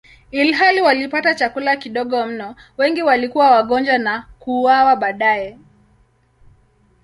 Ilhali walipata chakula kidogo mno, wengi walikuwa wagonjwa na kuuawa baadaye.